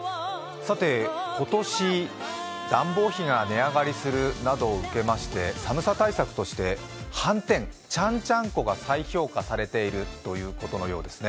今年、暖房費が値上がりするなどを受けまして寒さ対策として、はんてんちゃんちゃんこが再評価されているということのようですね。